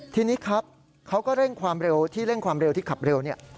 ทีนี้ครับเขาก็เร่งความเร็วที่เร่งความเร็วที่ขับเร็วเนี่ย